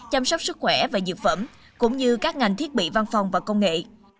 chăm sóc sức khỏe và dược phẩm cũng như các ngành thiết bị văn phòng và công nghệ